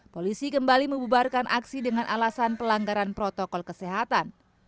polisi kembali membubarkan aksi dengan alasan pelanggaran protokol kesehatan